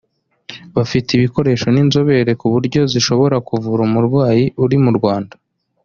bafite ibikoresho n’inzobere ku buryo zishobora kuvura umurwayi uri mu Rwanda